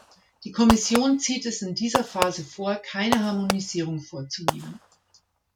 Die Kommission zieht es in dieser Phase vor, keine Harmonisierung vorzunehmen.